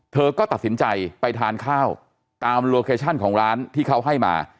เธอก็ตัดสินใจไปทานข้าวตามโลเคชั่นของร้านที่เขาให้มา